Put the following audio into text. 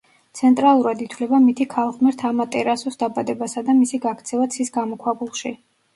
ცენტრალურად ითვლება მითი ქალღმერთ ამატერასუს დაბადებასა და მისი გაქცევა ცის გამოქვაბულში.